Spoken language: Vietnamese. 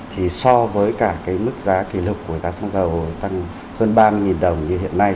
thì so với cả cái mức giá kỷ lục của giá xăng dầu tăng hơn ba mươi đồng như hiện nay